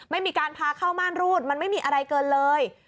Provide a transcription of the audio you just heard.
ไม่มีการพาเข้าม่านรูดมันไม่มีอะไรเกินเลย